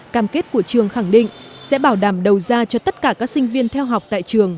cam kết của trường khẳng định sẽ bảo đảm đầu ra cho tất cả các sinh viên theo học tại trường